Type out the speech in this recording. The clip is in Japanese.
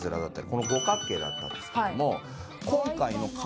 この五角形だったんですけども。